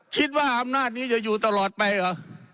คิดว่าอำนาจนี้จะอยู่ตลอดไปเหรอ